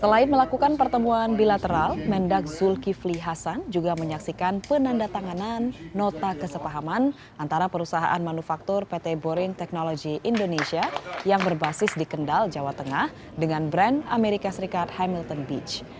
selain melakukan pertemuan bilateral mendak zulkifli hasan juga menyaksikan penanda tanganan nota kesepahaman antara perusahaan manufaktur pt borin technology indonesia yang berbasis di kendal jawa tengah dengan brand amerika serikat hamilton beach